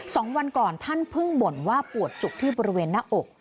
สองวันก่อนท่านเพิ่งบ่นว่าปวดจุกที่บริเวณหน้าอก